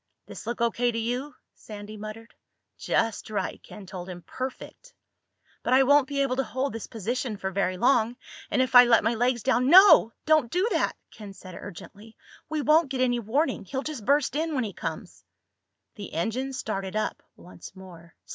"This look O.K. to you?" Sandy muttered. "Just right," Ken told him. "Perfect." "But I won't be able to hold this position for very long. And if I let my legs down—" "No! Don't do that!" Ken said urgently. "We won't get any warning. He'll just burst in when he comes." The engine started up once more.